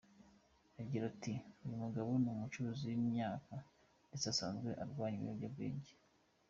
Agira ati “Uyu mugabo ni umucuruzi w’imyaka ndetse asanzwe arwanya ibiyobyabwenge.